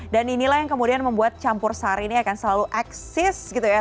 dan inilah yang kemudian membuat campur sari ini akan selalu eksis gitu ya